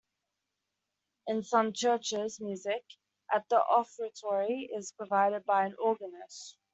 In some churches music at the offertory is provided by an organist.